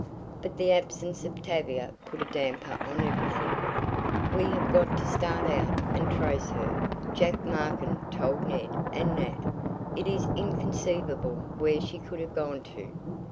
But the absence of Tavia put a damper on everything. "We have got to start out and trace her," Jack Markin told Ned and Nat. "It is inconceivable where she could have gone to."